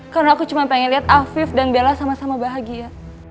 karena aku cuma pengen lihat afif dan bella sama sama bahagia